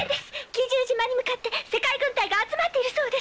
奇獣島に向かって世界軍隊が集まっているそうです！